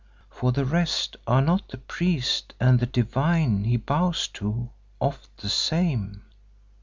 For the rest are not the priest and the Divine he bows to, oft the same?"